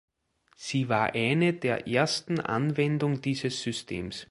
Sie war eine der ersten Anwendung dieses Systems.